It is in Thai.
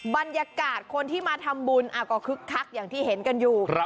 บรรยากาศคนที่มาทำบุญก็คึกคักอย่างที่เห็นกันอยู่